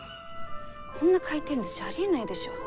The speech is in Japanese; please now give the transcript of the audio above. こんな回転ずしありえないでしょ？